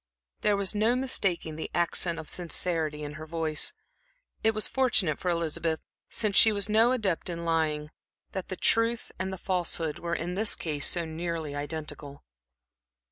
There was no mistaking the accent of sincerity in her voice. It was fortunate for Elizabeth, since she was no adept in lying, that the truth and the falsehood were in this case so nearly identical.